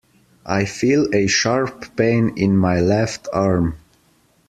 I feel a sharp pain in my left arm.